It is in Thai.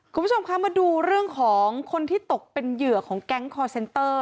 คุณผู้ชมคะมาดูเรื่องของคนที่ตกเป็นเหยื่อของแก๊งคอร์เซนเตอร์